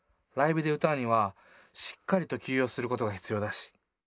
ライブで歌うにはしっかりと休養することが必要だし。